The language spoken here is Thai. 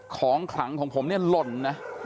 ของขลังของผมเนี่ยหล่นนะ